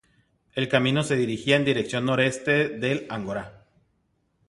El camino se dirigía en dirección noreste del Ágora.